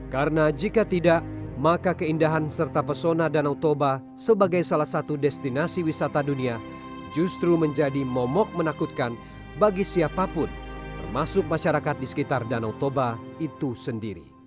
karena jika tidak maka keindahan serta pesona danau toba sebagai salah satu destinasi wisata dunia justru menjadi momok menakutkan bagi siapapun termasuk masyarakat di sekitar danau toba itu sendiri